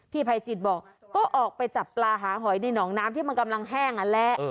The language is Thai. ภัยจิตบอกก็ออกไปจับปลาหาหอยในหนองน้ำที่มันกำลังแห้งนั่นแหละ